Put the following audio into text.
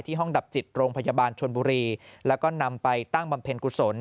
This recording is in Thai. ห้องดับจิตโรงพยาบาลชนบุรีแล้วก็นำไปตั้งบำเพ็ญกุศล